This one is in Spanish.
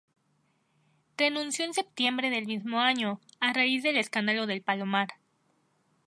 Renunció en septiembre del mismo año, a raíz del escándalo del Palomar.